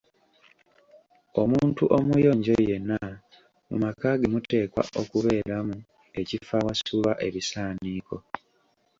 Omuntu omuyonjo yenna mu maka ge muteekwa okubeeramu ekifo awasulwa ebisaaniiko.